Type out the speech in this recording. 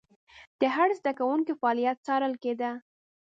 د هر زده کوونکي فعالیت څارل کېده.